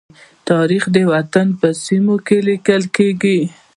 تاریخ د وطن په سینې کې لیکل شوی.